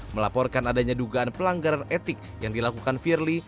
melaporkan adanya dugaan pelanggaran etik yang dilakukan firly